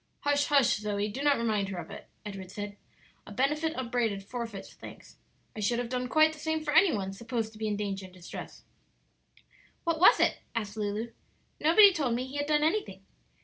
"Hush, hush, Zoe; do not remind her of it," Edward said. "'A benefit upbraided forfeits thanks.' I should have done quite the same for any one supposed to be in danger and distress." "What was it?" asked Lulu; "nobody told me he had done anything."